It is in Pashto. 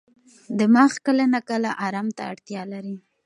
دماغ کله ناکله ارام ته اړتیا لري.